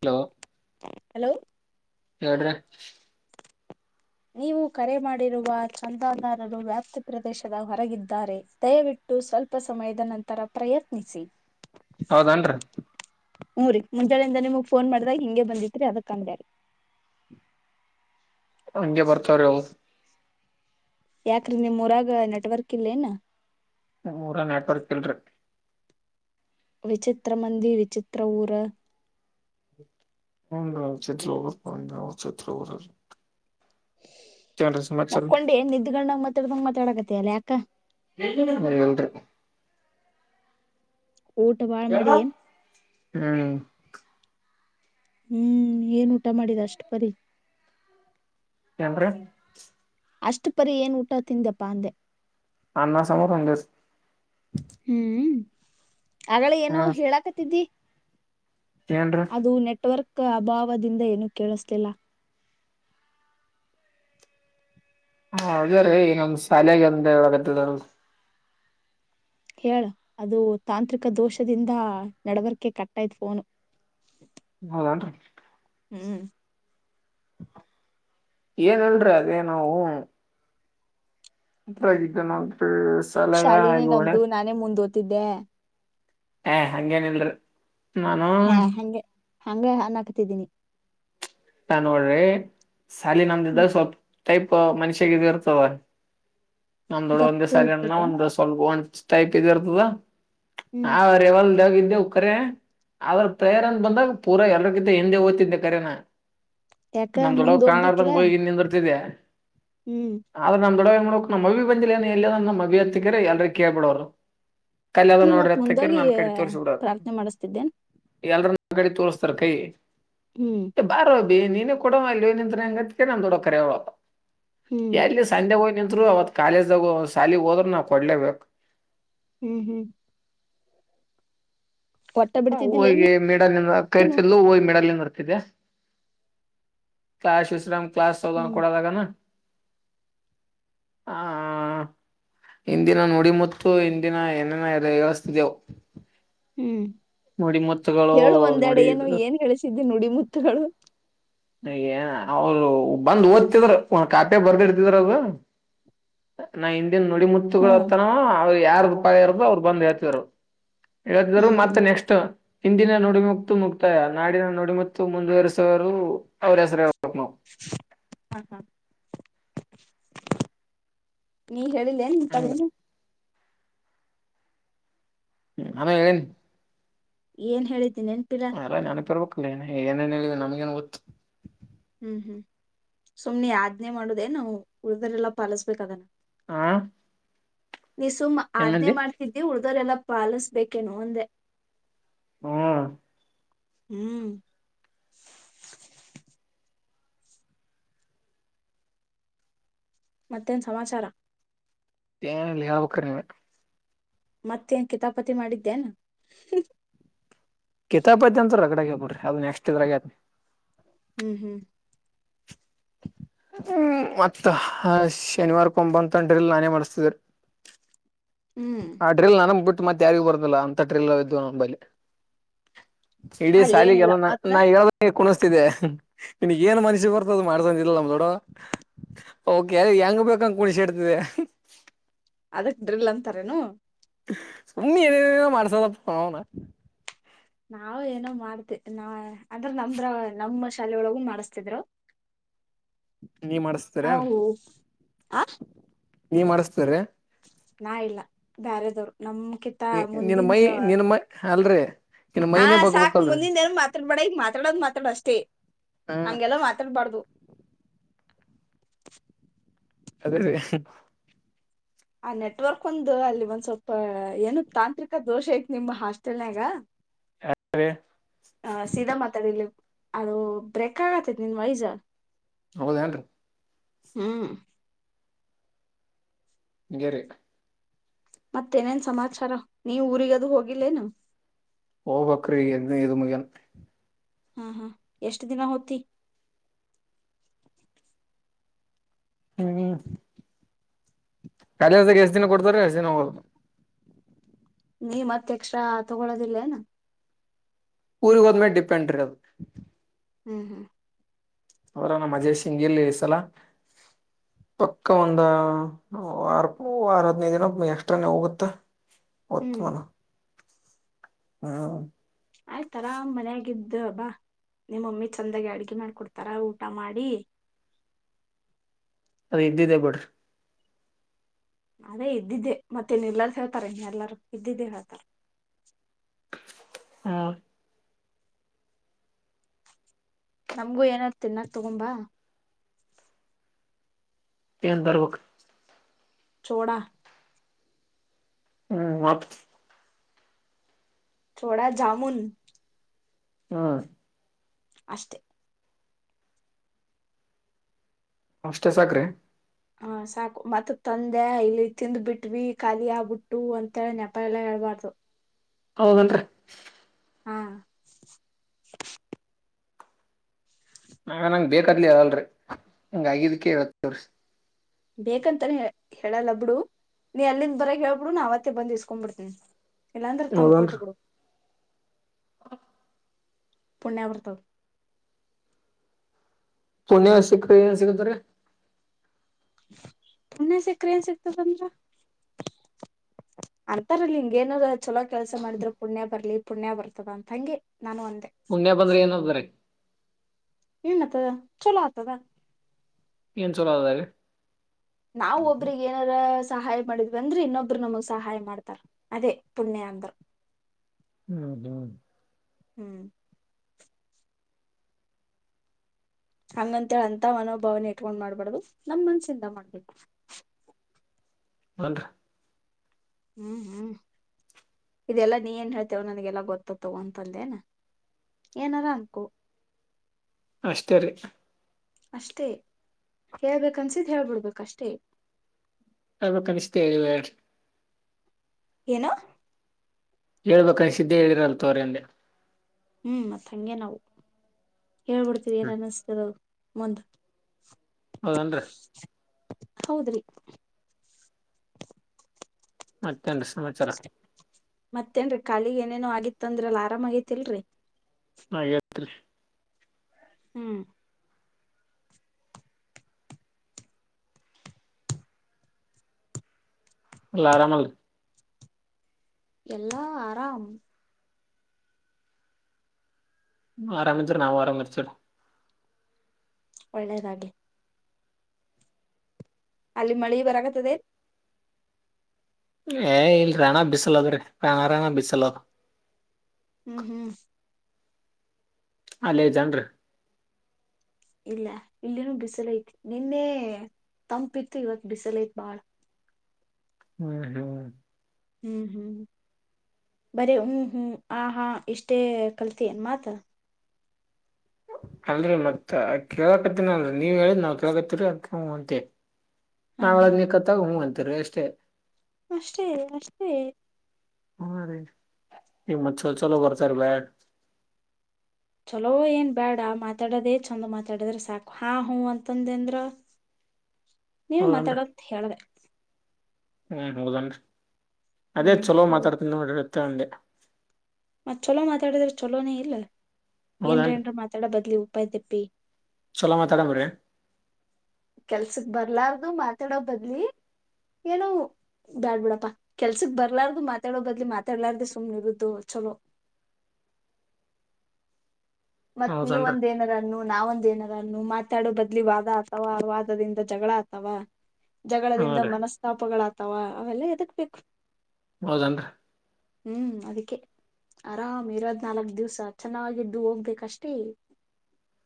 Hello hello ಹೇಳಿರಿ. ನೀವು ಕರೆ ಮಾಡಿರುವ ಚಂದಾದಾರರು ವ್ಯಾಪ್ತಿ ಪ್ರದೇಶದ ಹೊರಗಿದ್ದಾರೆ. ದಯವಿಟ್ಟು ಸ್ವಲ್ಪ ಸಮಯದ ನಂತರ ಪ್ರಯತ್ನಿಸಿ. ಹೌದನ್ರರಿ. ಹ್ಮ್ ರಿ ಮುಂಜಾನಳೆಯಿಂದ ನಿಮಗ್ ಫೋನ್ ಮಾಡ್ದಾಗ ಹಿಂಗೆ ಬಂದಿತ್ರಿ ಅದಕ್ ಅಂದ್ ರೀ. ಹಂಗೆ ಬರ್ತವು ರೀ ಅವು. ಯಾಕ್ರೀ ನಿಮ್ ಊರಾಗ ನೆಟ್ವರ್ಕ್ ಇಲ್ಲೇನ. ನಮೂರಗ ನೆಟ್ವರ್ಕ್ ಇಲ್ರಿ. ವಿಚಿತ್ರ ಮಂದಿ ವಿಚಿತ್ರ ಊರ. ಹ್ಮ್ ರೀ ವಿಚಿತ್ರ ಊರ ಹ್ಮ್ ವಿಚಿತ್ರ ಊರು. ಸಮಾಚಾರ ಮಕ್ಕೊಂಡೆ ಏನ ನಿದ್ದಿಗಣಗ ಮಾತಾಡ್ದಂಗ ಮಾತಾಡಕತಲ್ಲಾ ಯಾಕ. ಹ ಇಲ್ರಿ. ಊಟ ಭಾಳ ಮಾಡಿ ಏನ್. ಹ್ಮ್ ಹ್ಮ್ ಏನ್ ಊಟ ಮಾಡಿದ ಅಷ್ಟ್ ಪರಿ. ಎಂದ್ರೆ. ಅಷ್ಟು ಪರಿ ಏನ್ ಊಟ ತಿಂದ್ಯಪ್ಪ ಅಂದೆ. ಅನ್ನಾ ಸಾಂಬಾರ್ ಒಂದಿಸ್. ಹ್ಮ್.... ಆಗಳೆ ಏನೋ ಹೇಳಾಕತ್ತಿದ್ದಿ. ಏನರೀ. ಅದು ನೆಟ್ವರ್ಕ್ ಅಭಾವದಿಂದ ಏನು ಕೇಳಿಸ್ತಿಲ್ಲ. ಹ ಅದ ರೀ ಈಗ ನಮ್ ಸಾಲೆಗೆ ಅಂದ ಒಳಗತ್ತದ. ಹೇಳ ಅದು ತಾಂತ್ರಿಕ ದೋಷದಿಂದ ನಡವರ್ಕೆ ಕಟ್ಟಾಯ್ತ್ ಫೋನು. [inaudible] ಹೌದನ್ರಿ. ಹ್ಮ್ ಏನಲ್ರಿ ಅದೇ ನಾವು. ಉರಗಿದ್ದ ನ. [inaudible] ಶಾಲಿನೇ ನಮ್ದು ನಾನೇ ಮುಂದ ಓ್ತದ್ದೆ. ಹ ಹಂಗೇನಲ್ರರಿ. ಹಾ ಹಂಗೆ ಹಂಗೆ ಹಾನ ಹಾಕ್ತಿದ್ದೀನಿ. ನೋಡ್ರಿ ಸಾಲಿ ನಂದಿದ್ದ್ರ ಹ್ಮ್ ಸ್ವಲ್ಪ. ಟೈಪ್ ಮನುಷ್ಯಿಗೆ ಇರ್ತದ ನಮ ದೊಡ ಒಂದ ಗತ್ತು ದಿವಸನ ಇರ್ತತೆೇನ್ ಒಂಡಸ್. ಸ್ವಲ್ಪ ಒಂದ ಟೈಪ್ ಇದ ಇರ್ತದ. ಹ್ಮ್ ಲ್ ದೇಾಗ ಇದಿದ್ದೆವು ಕರೆ ಆದ್ರ ಪ್ರೇಯಾರ ಬಂದಾಗ ಪೂರ ಎಲ್ರಗಿಂತ ಎಿಂದೆ ಓದ್ತಿದ್ದೆ ಕರನ. ಯಾಕ ನಾ್ ದೊಡ್ಡ ಮುಂದ್ ಹೋಗ್ಬೇಕಿಲ್ಲ ಕಾಣಾರ್ದಂಗ ಹೋಗಿ ಇನ್ನಂದ ಇರ್ತಿದೆ. ಹ್ಮ್ ಆದ್ರ ನ ದೊಡವ್ ಮಾಡಕ್ ನ ಮವಿಿ ಬಿಲ್ಲೇಏ ಎಲ್ಲಿ ಅ ನ ಮಬಿ ಹತ್ತಕ್ಕರಿ ಎಲ್ಲರಿಗೂ ಕಳ್ಬ ಬಿಡವರು. ಕಲ್ಲ ಅದ ನೀ ನೋಡ್ರಿ ಮತ್ ಅತ್ತ ತಕರ ಮುಂದೋಗಿ ನನ್ ಕಡೆ ತೋರ್ಸಿ ಬಿಡಾರ ಪ್ರಾರ್ಥನೆ ಮಾಡಿಸತಿದ್ದೇನ್ ಎಲ್ರ ಕಡೆ ತೋರ್ಸ್ತರ್ ಕೈ. ಹ್ಮ್ ಬಾರೋ ಅಭಿ ನೀನು ಕೊಡ ಅಲ್ಲಿ ಹೋಗಿ ನಿಂತ್ರ ಹೆಂಗತ್ ನಾ ದೊಡ್ಡ ಕರೆವ ಹ್ಮ್ ಎಲ್ಲಿ. ಅಲ್ಲೇ ಹೋಗಿ ನಿಂತರು ಅವತ್ತು ಕಾಲೇಜ್ದಾಗ ಶಾಲಿಗೆ ಹೋದ್ರರು ನಾವು ಕೊಡಲೇಬೇಕು. ಹ್ಮ್ ಹ್ಮ್ ಒಟ್ಟ ಬಿಡ್ತಿದ್ದಿಲ್ಲ ಏನ್ ಹವಿಗೆ ಮಿಡಲ್ಲಿ ನೀನು ಕರ್ತಿಡ್ಲು ಹೋಗಿ ಮಿಡಲ್ಲಿಂದ ಇರ್ತಿದೆ. ಕ್ಲಾಸ್ ವಿಶ್ರಾಮ್ ಕ್ಲಾಸ್ ಸಾವಧಾನ್ ಹ್ಮ್ ಕೊಡದಾಗನ ಹ. ಇಂದಿನ ನುಡಿಮುತ್ತು ಇಂದಿನ ಏನೇನ ಏಳುಸ್ತಿದ್ದೆವು. ಹ್ಮ್ ಹೇಳು ಒಂದೆಡು ನೋಡಿ ಏನು ಏನ್ ಹೇಳಿಸಿದ್ದಿ ನುಡಿಮುತ್ತಗಳು. ಏನ ಅವರು ಬಂದು ಓದ್ತಿದ್ರ ಕಾಪಿ ಬರ್ದಿ ಇರ್ತಿದ್ರ ಅದು. ನಾ ಹನ್ ನೋಡಿ ಮು. ಹ್ಮ್ ಮುತ್ತನ ಅವ್ರು ಯಾರದು ಉಪಾಯ ಅವ್ರು ಬಂದ ಹೇಳ್ತಿದ್ರು ಹೇಳ್ತಿದ್ರು ಹ್ಮ್ ಹ್ಮ್ ಮತ್ತೆ ನೆಕ್ಸ್ಟ್. ಹಿಂದಿನ ನುಡಿಮತ್ತು ಮುಕ್ತಾಯ. ನಾಡಿನ ನುಡಿಮುತ್ತ ಮುಂದುವರೆಸುವರು. ಅವರ ಹೆಸರು ಹೇಳಬೇಕು. ಹಾ ಹಾ ನೀ ಹೇಳಿ. ಹಂಗ [unintelligible] [inaudible] ಹ್ಮ ನಾನ ಹೇಳೇನ್. ಏನ್ ಹೇಳಿದ್ದೀನೆನ್ಪಿಿಲ್ಲಾ. ಅಲ್ಲ ನೆನಪಿರಬೇಕಲ್ಲ ಏನೆ ಏನೇಏ ಹೇಳಿದೆ ನಮಗೆನ್ ಗೊತ್ತು. ಹ್ಮ್ ಹ್ಮ್ ಸುಮ್ನೆ ಆದ್ನೇ ಮಾಡುದೇ ನಾವು ಉಳ್ದರೆಲ್ಲಾ ಪಾಲಸ್ಬೇಕ ಅದನ. ಆಾ ನೀ ಸುಮ್ಮ್ ಆಜ್ಞೆ ಮಾಡ್ತಿದ್ದಿ ಉಳ್ದೋರೆಲ್ಲ ಪಾಲಿಸ್ಬೇಕೇನುೋ ಅಂದೆ. ಹ್ಮ್ ಹ್ಮ್ ಮತ್ತೇನು ಸಮಾಚಾರ. ಏನಲ್ಲಿ ಹೇಳ್ಬೇಕ್ರ ನೀವೆ. ಮತ್ತೆ ನ್ ಕಿತಾಪತಿ ಮಾಡಿದ್ದೇನ್. ಕಿತಪತಿ ಅಂತ ರಗಡ ಹೇಬಡ್ರಿ ಅದು ನೆಸ್ಟ್ ಇದ ರಗ. ಹ್ಮ್ ಹ್ಮ್ ಹ್ಮ್ ಮತ್ತ ಹಾ ಶನಿವಾರ ಕೊಂಬಂಡ್ರಲ್ ನಾನೇ ಮಾಡಿಸಸ್ತಿದೆ. ಹ್ಮ್ ಆ ್ರಲ್ ನನನ್ ಬಿಟ್ಟ ಮತ್ತ ಯಾರಿಗ ಬದಿಲ್ಲ ಅಂತ ್ರಿಲ್ ಇದ್ ನನ್ ಬಲ್ಲಿ. ಇಡೀ ಅಲ್ಲೇನಿಲ್ಲ ಸಾಲಿಗೆಲ್ಲ ಮೊದ್ಲ ನಾ ಹೇಳ. ಹ ಕುಣಿಸ್ತಿದೆೆ ನಿನ್ಗ್ ಏನ್ ಮನಾಸಿಗೆ ಬರ್ತದದು ಮಾಡ್ಸಂದಿಲ್ಲ ನಮ್ಮ ದೊಡ್ಡವ. ಓಕೆ ಹೆಂಗ ಬೇಕು ಹಂಗ ಕುಣಿಸುತಾಡ್ತಿದ್ದೆ. ಅದಕ್ ಡ್ರಿಲ್ ಅಂತಾರೇನು. [unintelligible] ನಾವ ಏನೋ ಮಾಡ್ತಿ ಅಂದ್ರ ನಮ್ರ ನಮ್ಮ ಶಾಲೆ ಒಳಗು ಮಾಡಿಸತಿದ್ರು. ನೀ ಮಾಡ್ಸ್ ಹಾ ಹೌ ಹಾ. ನೀ ಮಾಡಸ್ತ್ರರೇ ನಾ ಇಲ್ಲ ಬ್ಯಾರೆದವ್ರು ನಮ್ಮ. ನಿನ್ ಮೈ ನಿನ್ ಮೈ ಅಲ್ರರಿ. ಹ ಸಾಕು ಮುಂದಿನ ಏನ ಮಾತಾಡ್ಬ್ಯಾಡ ಈಗ ಮಾತಾಡೋದು ಮಾತಾಡ ಅಷ್ಟೇ ಹಾ ಹಂಗೆಲ್ಲ ಮಾತಾಡ್ಬಾರ್ದು. ಅದೇರೀ. ಆ ನೆಟ್ವರ್ಕ್ ಒಂದು ಅಲ್ಲಿ ಒಂದ್ ಸ್ವಲ್ಪ ಏನು ತಾಂತ್ರಿಕ ದೋಷ ಐತ್ ನಿಮ ಹಾಸ್ಟೆಲ್ನಯಾಗ. [unintelligible] ಹ ಸೀದಾ ಮಾತಾಡಿಲ್ಲಿ ಅದು ಬ್ರೇಕ್ ಆಗತ್ತತಿ ನಿನ್ ವಾಯ್ಸ್. ಹೌದೇನ್ರೀ. ಹ್ಮ್ ಹೇಳಿ. ಮತ್ತೇನೇನ್ ಸಮಾಚಾರ ನೀ ಊರಿಗ ಅದು ಹೋಗಿಲ್ಲೇನು. ಹೋಗಬೇಕ್ರಿ ಇಲ್ಲಿ ಇದು ಮುಗಿದಿಲ್ಲ. ಹಾ ಹಾ ಎಷ್ಟ್ ದಿನ ಹೋತಿ. ಹ್ಮ್ ಕಾಲೇಜುದಾಗ ಎಷ್ಟ್ ದಿನ ಕೊಡ್ತಾರ ಎಷ್ಟ ದಿನ ಹೋಗೋದು. ನೀ ಮತ್ ಎಕ್ಸ್ಟ್ರಾ ತಗೊಳ್ಳೋದಿಲೇನು. ಊರಿಗ ಹೋದ ಮೇಲೆ ಡಿಪೆಂಡ್ ರೀ ಅದು. ಹ್ಮ್ ಹ್ಮ್ ಅವರ ನಮ್ಮ ಮಜೇಶ್ ಇಲ್ಲ ಈಸಲ. ಪಕ್ಕ ಒಂದ ವಾರ ವಾರ ಹದನೈ ದಿನ ಎಷ್ಟಾನೇ ಹೋಗುತ್ತೆ. ಹ್ಮ್ ಹ್ಮ ಆಯ್ತಲ್ಲ ಮನೆಯಾಗ ಇದ್ದು ಬಾ. ನಿಮ್ಮಮ್ಮಿ ಚಂದಾಗಿ ಅಡ್ಗೆ ಮಾಡಿಕೊಡ್ತಾರ ಊಟ ಮಾಡಿ. ಅದ ಇದ್ದಿದೆ ಬಿಡ್ರಿ. ಅದೇ ಇದ್ದಿದ್ದೆ ಮತ್ತೆನ್ ಎಲ್ಲರು ಹೇಳ್ತಾರೆ ಇನ್ನ ಎಲ್ಲರೂ ಇದ್ದಿದ್ದೆ ಹೇಳ್ತಾರ. ಹಾ ನಮ್ಗು ಏನರಾ ತಿನ್ನೋಕೆ ತಗೊಂಬಾ. ಏನ್ ತರ್ಬೇಕು. ಚೋಡ. ಹ್ಮ್ ಮತ್ತ. ಚೋಡಾ ಜಾಮುನ್. ಹಾ ಅಷ್ಟೇ ಅಷ್ಟೇ ಸಾಕ್ರಿ. ಹ ಸಾಕು ಮತ್ ತಂದೆ ಇಲ್ಲಿ ತಿಂದ್ ಬಿಟ್ವಿ ಖಾಲಿ ಆಗ್ಬಿಟ್ಟು ಅಂತೇಳ ನೆಪ ಎಲ್ಲಾ ಹೇಳ್ಬಾರ್ದು. ಹೌದೇನ್ರಿ. ಹಾ ನಾವ ನಂಗ್ ಬೇಕಾದ್ಲಿ ಅ ಅಲ್ರರಿ ಹಂಗ ಆಗಿದಕ್ಕೆ ಇತ್ತಿ ಬೇಕಂತಾನ ಹೇಳಲ್ಲ ಬಿಡು ನೀ ಅಲ್ಲಿಂದ ಬರಗೆ ಹೇಳ್ಬಿಡು ನಾವ್ತ್ತೆ ಬಂದ್ ಇಸ್ಕೊಂಡ್ಬಿಡ್ತೀನಿ ಇಲ್ಲಾಂದ್ರೆ ತಂದ್ ಕೊಟ್ ಬಿಡು ಹ ಪುಣ್ಯಬರ್ತದ ಪುಣ್ಯ ಸಿಕ್ಕರ ಏನ್ ಸಿಗತ್ ರಿ ಪುಣ್ಯ ಸಿಕ್ಕ್ರ ಏನ್ ಸಿಕ್ತದಂದ್ರ ಅಂತಾರಲ್ಲಿ ಹಿಂಗ ಏನರ ಚಲೋ ಕೆಲಸ ಮಾಡಿದ್ರೆ ಪುಣ್ಯ ಬರ್ಲಿ ಪುಣ್ಯ ಬರ್ತದ ಅಂತಂಗೆ ನಾನು ಅಂದೇ ಪುಣ್ಯ ಬಂದ್ರಿ ಏನ ಆದರಿ ಏನ್ ಆತದ ಚುಲೋ ಆಗ್ತದ ಏನ್ ಚಲೋ ಆದ ನಾವ ಒಬ್ರಗ್ ಏನಾರ ಸಹಾಯ ಮಾಡಿದ್ವಿ ಅಂದ್ರ ಇನ್ನೊಬ್ರು ನಮಗ್ ಸಹಾಯ ಮಾಡ್ತಾರ ಅದೇ ಪುಣ್ಯಾ ಅಂದ್ರ ಹ್ಮ್ ಹ್ಮ್ ಹ್ಮ್ ಹಂಗಂತ ಹೇಳಿ ಅಂತ ಮನೋಭಾವನೆ ಇಟ್ಕೊಂಡ್ ಮಾಡ್ಬಾರ್ದು ನಮ್ ಮನ್ಸಿಂದ ಮಾಡ್ಬೇಕು ಬಂದ ಹ್ಮ್ ಹ್ಮ್ ಇದೆಲ್ಲಾ ನೀ ಏನ್ ಹೇಳ್ತೇವ ನನ್ಗೆಲ್ಲ ಗೊತ್ತತ್ತವ ಅಂತಂದೇನ ಏನಾರ ಅಂಕು ಅಷ್ಟೇ ರೀ ಅಷ್ಟೇ ಹೇಳ್ಬೇಕು ಅನ್ಸಿದ ಹೇಳ್ಬಿಡ್ಬೇಕ ಅಷ್ಟೇ ಹೇಳ್ಬೇಕು ಅನಿಸ್ತು ಹೇಳಿವವಿಾರ ಏನ ಹೇಳ್ಬೇಕಂದಸಿದಿದ್ದೇ ಹೇಳಿರಲ್ ತೋ್ರ ಅಂದೆ ಹ್ಮ್ ಮತ್ ಹಂಗೆ ನಾವು ಹೇಳ್ಬಿಡ್ತೀವಿ ಏನ್ ಅನ್ನಸ್ದ ಮುಂದ ಹೌದನ್ರೀ ಹೌದ್ರಿ ಮತ್ತೇನ್ರೀ ಸಮ ಮತ್ತೇನ್ರಿ ಖಾಲಿಗ್ ಏನೇನೋ ಆಗಿತ್ತ ಅಂದ್ರ ಅಲ್ಲಿ ಆರಾಮ ಆಗೇತಿಲ್ರರಿ ಹಾ ಹಾಗೇತ್ರಿ ಹ್ಮ್ ಏಲ್ಲ ಆರಾಮಲ್ಲ ಎಲ್ಲಾ ಆರಾಮ್ ಆರಾಮ ಇದ್ದರ ನಾವು ಆರಾಮ ಇರ್ತೆವರಿ ಒಳ್ಳೆಯದಾಗಲಿ ಅಲ್ಲಿ ಮಳಿ ಬರಕತದ ಏನ ಏ ಇಲ್ ರಣ ಬಿಸಲದ್ರೀ ರ ರಣ ರಣ ಬಿಸಲದ ಹ್ಮ್ ಹ್ಮ್ ಅಲ್ಲೇ ಐತಿ ಏನ್ರಿ ಇಲ್ಲ ಇಲ್ಲಿನ ಬಿಸಿಲ ಐತಿ ನಿನ್ನೆ ತಂಪಿತ್ತ ಇವತ್ ಬಿಸಲ ಐತ್ ಬಾಳ ಹ್ಮ್ ಹ್ಮ್ ಹ್ಮ್ ಹ್ಮ್ ಬರಿ ಹ್ಮ್ ಹ್ಮ್ ಆ ಹಾ ಇಷ್ಟೇ ಕಲ್ತಿ ಏನ್ ಮಾತ ಅಲ್ರರಿ ಮತ್ತತ್ ಕೇಳಕತ್ತರಿ ಅಲ್ರಿ ನೀವ್ ಹೇಳಿ ನಾವ್ ಕೇಕತ್ತರಿ ಅ ಅಂತ ಹಾ ಹಾ [unintelligible] ಹು ಅಂತಿರ್ ಅಷ್ಟೇ. ಅಷ್ಟೇ ಅಷ್ಟೇ. ಹ ರೀ ಈಗ ಮತ್ತ್ [unintelligible] ಚಲೋ ಏನ್ ಬ್ಯಾಡ ಮಾತಾಡೋದೇ ಚಂದ ಮಾತಾಡದ್ರ ಸಾಕು ಹಾ ಹೂ ಅಂತಂದ ಅಂದ್ರ ನೀನ್ ಹೌದನ್ರಿ ಮಾತಾಡತ್ ಹೇಳ್ದೆ. ಹ ರೀ ಹೌದೇನ್ರಿ ಅದೇ ಹ್ಮ್ ಚಲೋ ಹೌದು ಮಾತಾಡ್ತನಿ ನೋಡ್ರಿ ಅಂತ್ ಅಂದೆ. ಮತ್ತ ಚೊಲೋ ಮಾತಾಡಿದ್ರೆ ಚೊಲೋನ ಇಲ್ಲ ಏನ್ರ ಹೌದನ್ರಿ ಏನ್ರ ಮಾತಾಡ ಬದ್ಲಿ ಬಾಯಿ ತಪ್ಪಿ ಚಲೋ ಮಾತಾಡ ಬರೇ. ಕೆಲ್ಸಕ್ ಬರ್ಲಾರ್ದು ಮಾತಾಡೋ ಬದ್ಲಿ ಏನು ಬ್ಯಾಡ್ ಬಿಡಪ್ಪಾ ಕೆಲ್ಸಕ್ ಬರ್ಲಾರ್ದು ಮಾತಾಡೋ ಬದ್ಲಿ ಮಾತಾಡ್ಲಾರ್ದ ಸುಮ್ನೆ ಇರುದು ಚಲೋ. ಮತ್ತ್ ನೀವ್ ಹೌದನ್ರಿ ಒಂದ ಏನರ ನ್ನು ನಾವೊಂದ ಏನಾರ ಅನ್ನು ಮಾತಾಡೋ ಬದ್ಲಿ ವಾದ ಆತಾವ ಆ ವಾದದಿಂದ ಜಗಳ ಆತಾವ. ಹಾ ಜಗಳದಿಂದ ರೀ ಮನಸ್ತಾಪಗಳಾಗ್ತಾವ ಅವೆಲ್ಲ ಎದಕ್ಬೇಕ್. ಹೌದ್ ಏನ್ರಿ. ಹ್ಮು ಅದಿಕ್ಕೆ. ಆರಾಮ್ ಇರೋದ್ ನಾಲ್ಕ್ ದಿವ್ಸ ಚೆನ್ನಾಗಿದ್ದು ಹೋಗ್ಬೇಕ ಅಷ್ಟೇ.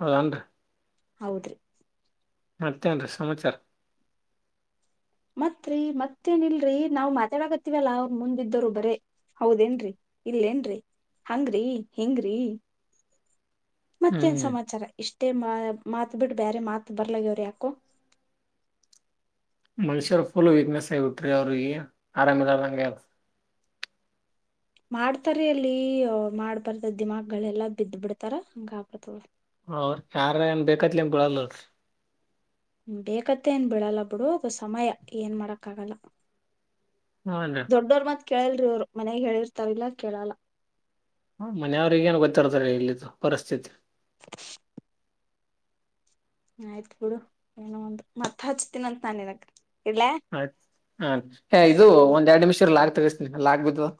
ಹೌದ್ ಅನ್ರಿ. ಹೌದ್ರಿ ಮತ್ತೇನ್ರಿ ಸಮಾಚಾರ. ಮತ್ರಿ ಮತ್ತೇನ್ ಇಲ್ರಿ ನಾವ್ ಮಾತಾಡಕತ್ತಿವಲ್ಲ ಅವರ್ ಮುಂದ್ ಇದ್ದೋರು ಬರೇ. ಹೌದೇನ್ರಿ ಇಲ್ಲೇನ್ರಿ ಹಂಗ್ರೀ ಹಿಂಗ್ರೀ ಮತ್ತೇನ್ ಹ್ಮ್ ಸಮಾಚಾರ ಇಷ್ಟೇ ಮಾ ಮಾತ್ ಬಿಟ್ಟ ಬ್ಯಾರೆ ಮಾತ್ ಬರ್ಲ ಆಗ್ಯಾವ್ರಿ ಯಾಕೋ. ಮನುಷ್ಯರ್ ಫುಲ್ ವೀಕ್ನೆಸ್ [unintelligible] ಆರಾಮ ಇರದಂಗ್ ಆಗ್ಯದ. ಮಾಡ್ತಾರೆ ಅಲ್ಲಿ ಮಾಡ್ಬರ್ದ ದಿಮಾಕಗಳೆಲ್ಲಾ ಬಿದ್ದ್ ಬಿಡ್ತಾರ ಹಂಗ ಆಗ್ತದ ಅದ್. ಅವರ್ ಯಾರೆ ಏನ್ ಬೇಕಾತ್ಲೆ ಏನ್ ಬಿಳಲ್ಲ್ ಅಳ್. ಬೇಕತ್ತ ಏನ್ ಬಿಳಲ್ಲ ಬಿಡು ಅದು ಸಮಯ ಏನ್ ಮಾಡಾಕ್ ಆಗಲ್ಲ. ಹೌದಾ ದೊಡ್ಡವ್ರ ಮಾತ್ ಕೇಳಲ್ರಿ ಇವ್ರು ಮನೆಗ್ ಹೇಳಿರ್ತಾರಲ್ಲ ಕೇಳಲ್ಲ. ಹ ಮನ್ಯಾವರಿಗೆ ಏನ್ ಗೊತ್ತಿರ್ತದ ಇಲ್ಲಿದು ಪರಿಸ್ಥಿತಿ. [inaudible] ಆಯ್ತ್ ಬಿಡು ಏನೋ ಒಂದ ಮತ್ತ್ ಹಚ್ತೀನಂತ ನಾ ನಿನಗ್. ಇಡ್ಲಾ ಆಯ್ತ್ ಹರೀ ಹೇ ಇದು ಹ್ಮ ಒಂದ್ ಎರಡ್ ನಿಮಿಷ ಇರ್ ಲಾಕ್ ತಗಸ್ತಿನಿ ಲಾಕ್ ಬಿದ್ದದ.